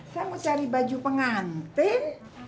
saya mau cari baju pengantin